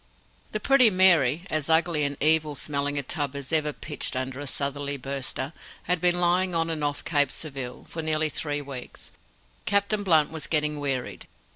The Pretty Mary as ugly and evil smelling a tub as ever pitched under a southerly burster had been lying on and off Cape Surville for nearly three weeks. Captain Blunt was getting wearied.